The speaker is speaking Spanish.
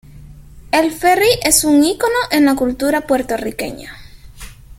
El ferry es un icono en la cultura puertorriqueña.